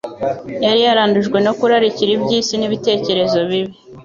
yari yarandujwe no kurarikira iby'isi n'ibitekerezo bibi.